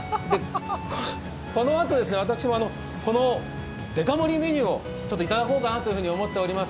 このあと私もこのでか盛りメニューをいただこうかなと思っております。